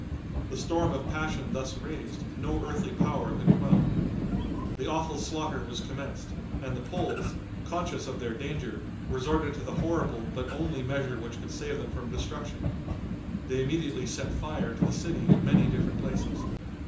The storm of passion thus raised, no earthly power could quell. The awful slaughter was commenced, and the Poles, conscious of their danger, resorted to the horrible but only measure which could save them from destruction. They immediately set fire to the city in many different places.